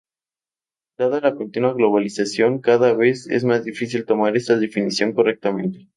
Dada la continua globalización cada vez es más difícil tomar esta definición correctamente.